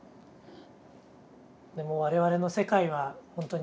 でも我々の世界はほんとに悩みが。